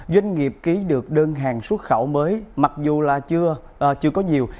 doanh nghiệp ký được đơn hàng xuất khẩu mới mặc dù là chưa có nhiều